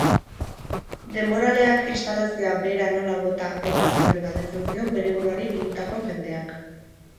Denboraleak instalazioa behera nola bota ote zuen galdetzen zion bere buruari bildutako jendeak.